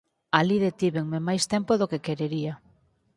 Alí detívenme máis tempo do que querería.